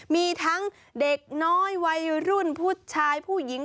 มีทั้งเด็กน้อยวัยรุ่นผู้ชายผู้หญิง